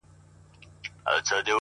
لوړ فکر د عادتونو کچه لوړوي،